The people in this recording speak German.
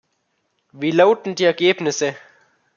Wie lauten die Ergebnisse?